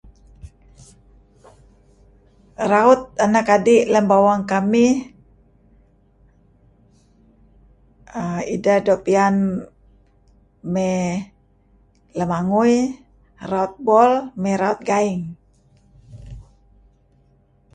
Raut anak adi' lem bawang kamih err ideh doo piyan mey lamangui raut bol mey raut gaing.